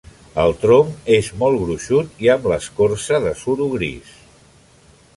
El tronc és molt gruixut i amb l'escorça de suro gris.